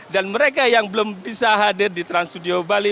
dan mereka yang belum bisa hadir di trans studio bali